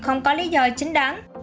không có lý do chính đáng